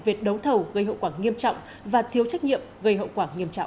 về đấu thầu gây hậu quả nghiêm trọng và thiếu trách nhiệm gây hậu quả nghiêm trọng